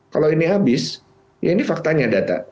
kalau ini habis ini faktanya data